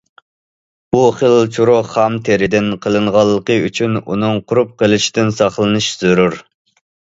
بۇ خىل چورۇق خام تېرىدىن قىلىنغانلىقى ئۈچۈن ئۇنىڭ قۇرۇپ قېلىشىدىن ساقلىنىش زۆرۈر.